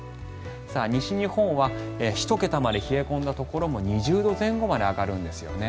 西日本は１桁まで冷え込んだところも２０度前後まで上がるんですよね。